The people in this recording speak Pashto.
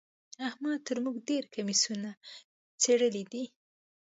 احمد تر موږ ډېر کميسونه څيرلي دي.